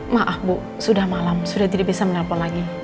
maaf bu sudah malam sudah tidak bisa menelpon lagi